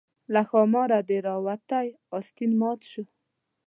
له ښاماره دې راوتى استين مات شو